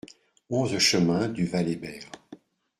onze chemin du Val Hébert